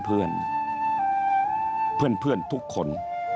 เพื่อนทุกคน